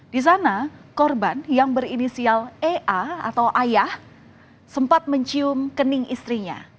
di sana korban yang berinisial ea atau ayah sempat mencium kening istrinya